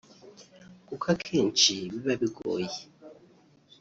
kuko akenshi biba bigoye